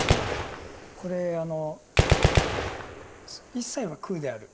これあの一切は空である。